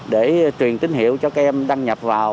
để truyền tín hiệu cho các em đăng nhập vào